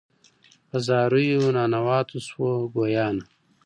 په زاریو ننواتو سوه ګویانه